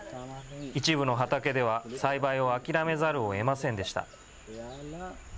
一部の畑では栽培を諦めざるをえませんでした。